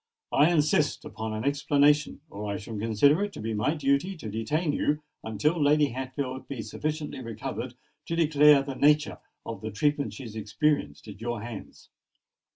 I insist upon an explanation; or I shall consider it to be my duty to detain you until Lady Hatfield be sufficiently recovered to declare the nature of the treatment she has experienced at your hands.